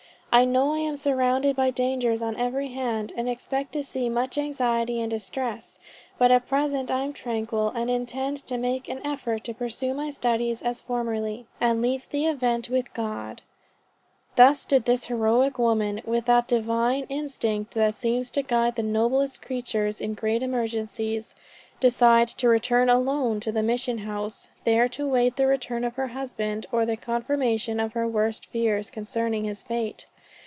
I know I am surrounded by dangers on every hand, and expect to see much anxiety and distress: but at present I am tranquil, and intend to make an effort to pursue my studies as formerly, and leave the event with God." Thus did this heroic woman, with that divine "instinct that seems to guide the noblest natures in great emergencies, decide to return alone to the mission house, there to await the return of her husband, or the confirmation of her worst fears concerning his fate."